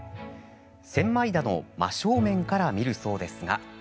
千枚田の真正面から見るそうですが。